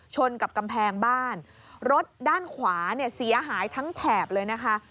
กับกำแพงบ้านรถด้านขวาเนี่ยเสียหายทั้งแถบเลยนะคะ